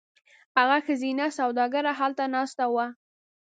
هغه ښځینه سوداګره هلته ناسته وه.